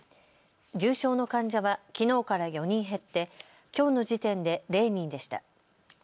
重症の患者はきのうから４人減ってきょうの時点で０人でした。